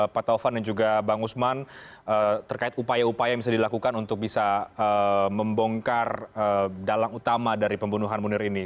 pak taufan dan juga bang usman terkait upaya upaya yang bisa dilakukan untuk bisa membongkar dalang utama dari pembunuhan munir ini